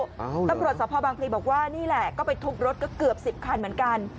ตำรวจสภบางพลีบอกว่านี่แหละก็ไปทุบรถก็เกือบสิบคันเหมือนกัน